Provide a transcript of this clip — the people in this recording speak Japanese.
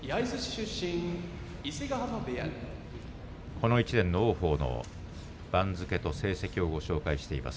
この１年の王鵬の番付と成績をご紹介しています。